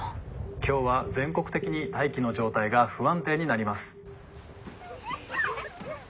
「今日は全国的に大気の状態が不安定になります」。